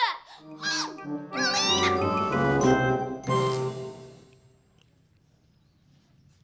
aku tau gak